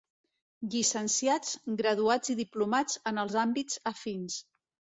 Llicenciats, graduats i diplomats en els àmbits afins.